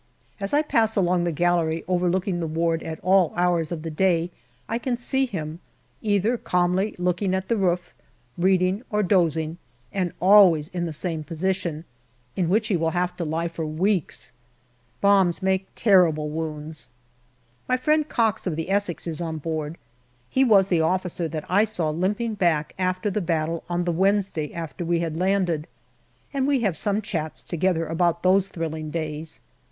As I pass along the gallery overlooking the ward at all hours of the day I can see him, either calmly looking at the roof, reading or dozing, and always in the same position, in which he will have to lie for weeks. Bombs make terrible wounds. My friend Cox, of the Essex, is on board. He was the officer that I saw limping back after the battle on the Wednesday after we had landed, and we have some chats together about those thrilling days.